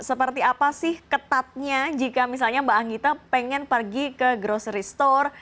seperti apa sih ketatnya jika misalnya mbak anggita pengen pergi ke grocery store